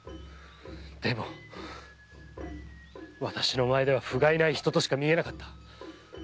でも私の前ではふがいない人としか見えなかった。